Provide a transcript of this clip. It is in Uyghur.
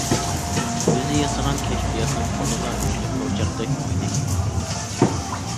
ئۆزى ياسىغان كەشپىياتنىڭ قولىدا ئۆزى قورچاقتەك ئوينايدۇ.